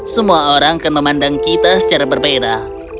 semua orang akan memandang kita secara berbeda